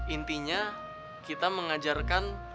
intinya kita mengajarkan